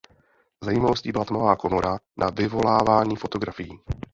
Zajímavostí byla tmavá komora na vyvolávání fotografií.